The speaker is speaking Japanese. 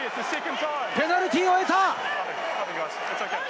ペナルティーを得た！